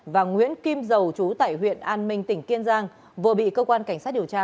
và nguyễn kim dầu chú tại huyện an minh tỉnh kiên giang vừa bị cơ quan cảnh sát điều tra